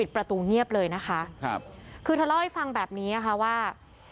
ประตูเงียบเลยนะคะครับคือเธอเล่าให้ฟังแบบนี้นะคะว่า